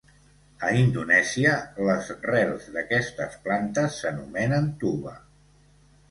A indonèsia les rels d'aquestes plantes s'anomenen tuba.